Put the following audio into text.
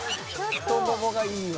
「太ももがいいわ」